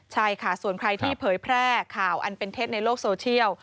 ใช่ค่ะส่วนใครที่เผยแพร่ข่าวอันเป็นเท็จในโลกโซเชียล